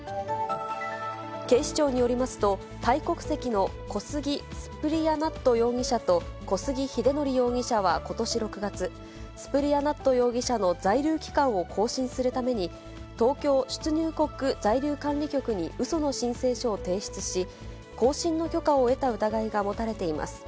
警視庁によりますと、タイ国籍のコスギ・スプリヤナット容疑者と、小杉秀紀容疑者は、ことし６月、スプリヤナット容疑者の在留期間を更新するために、東京出入国在留管理局にうその申請書を提出し、更新の許可を得た疑いが持たれています。